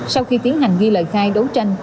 sau khi tiến hành ghi lời khai đấu tranh